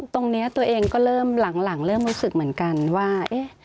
ตรงนี้ตัวเองก็เริ่มหลังเริ่มรู้สึกเหมือนกันว่า